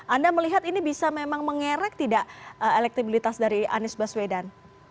anda melihat ini bisa memang mengerek tidak elektibilitas dari anies baswedan